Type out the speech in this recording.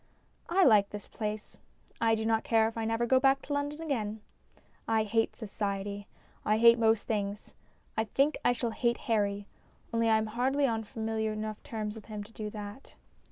I like this place. I do not care if I never go back to London again. I hate Society ; I hate most things. I think I shall hate Harry, only I am hardly on familiar enough terms with him to do that.